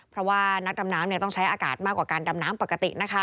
เพราะว่านักดำน้ำต้องใช้อากาศมากกว่าการดำน้ำปกตินะคะ